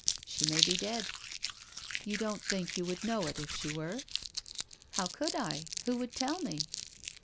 She may be dead." "You don't think you would know it if she were r " How could I ? Who would tell me?